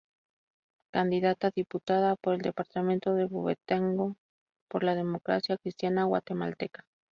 Candidata a diputada por el departamento de Huehuetenango por la Democracia Cristiana Guatemalteca.